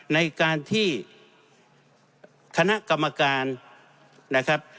ในการที่คณะกรรมการนะครับ